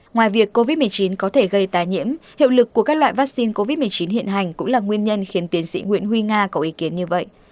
ngoài việc covid một mươi chín có thể gây tài nhiễm hiệu lực của các loại vaccine covid một mươi chín hiện hành cũng là nguyên nhân khiến tiến sĩ nguyễn huy nga có ý kiến như vậy